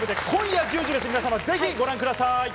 今夜１０時からぜひ、ご覧ください。